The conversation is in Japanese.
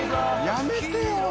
やめてよ。